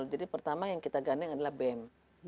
jadi pertama yang kita gandeng adalah bem